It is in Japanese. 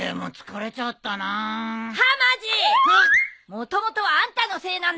もともとはあんたのせいなんだから！